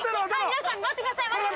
皆さん待ってください。